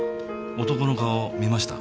男の顔見ました？